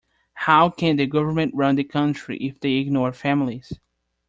How can the government run the country if they ignore families?